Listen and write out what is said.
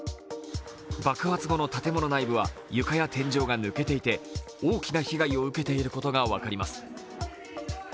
爆発後の建物内部は床や天井が抜けていて大きな被害を受けていることが分かります。